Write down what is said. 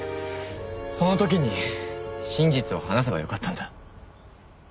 その時に真実を話せばよかったんだ。